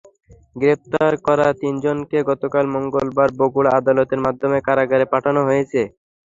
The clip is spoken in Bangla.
গ্রেপ্তার করা তিনজনকে গতকাল মঙ্গলবার বগুড়া আদালতের মাধ্যমে কারাগারে পাঠানো হয়েছে।